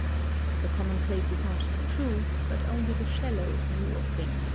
The commonplace is not the true, but only the shallow, view of things.